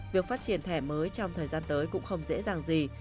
việc phát triển thẻ mới trong thời gian tới cũng không dễ dàng gì